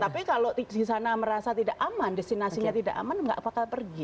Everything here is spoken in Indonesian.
tapi kalau di sana merasa tidak aman destinasi tidak aman nggak akan pergi